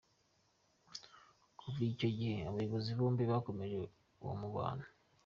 Kuva icyo gihe abayobozi bombi bakomeje uwo mubano.